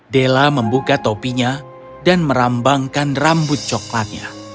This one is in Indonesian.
della membuka topinya dan merambangkan rambut coklatnya